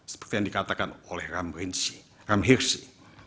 seperti yang dikatakan oleh ram hirsi